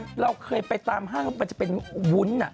เราเคยไปตามห้างแล้วมันจะเป็นวุ้น